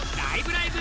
ライブ！」